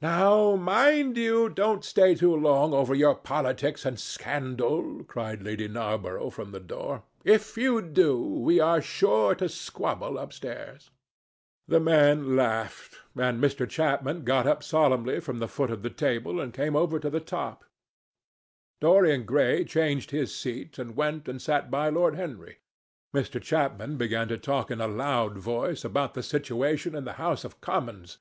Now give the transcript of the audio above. "Now, mind you don't stay too long over your politics and scandal," cried Lady Narborough from the door. "If you do, we are sure to squabble upstairs." The men laughed, and Mr. Chapman got up solemnly from the foot of the table and came up to the top. Dorian Gray changed his seat and went and sat by Lord Henry. Mr. Chapman began to talk in a loud voice about the situation in the House of Commons.